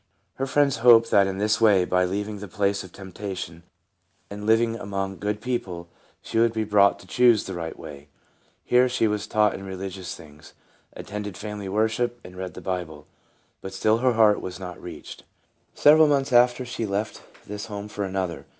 Her friends hoped that in this way, by leaving the places of temptation, and living among good people, she would be brought to choose the right way. Here she was taught in reli gious things, attended family worship, and read the Bible, but still her heart was not reached. After several months she left this home for another.